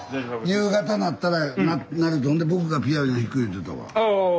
夕方なったらなると僕がピアノ弾く言うてたわ。